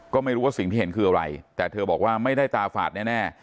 ก็ไม่รู้ว่าสิ่งที่เห็นคืออะไรแต่เธอบอกว่าไม่ได้ตาฝาดแน่